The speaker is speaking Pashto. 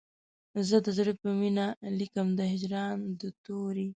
زه د زړه په وینو لیکم د هجران د توري